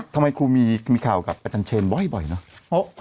ทำไมครูมีข่าวกับอาจารย์เชนบ่อยเนอะ